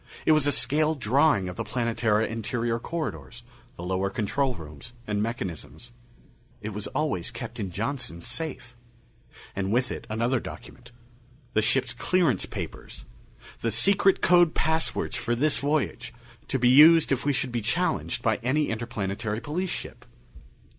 It was a scale drawing of the Planetara interior corridors, the lower control rooms and mechanisms. It was always kept in Johnson's safe. And with it, another document: the ship's clearance papers the secret code passwords for this voyage, to be used if we should be challenged by any Interplanetary Police ship.